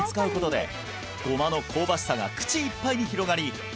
ごまの香ばしさが口いっぱいに広がり